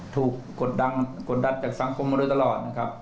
ถูกกดดัดจากสังคมมาด้วยตลอดนะครับ